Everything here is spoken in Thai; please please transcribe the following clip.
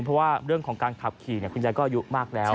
เพราะว่าเรื่องของการขับขี่คุณยายก็อายุมากแล้ว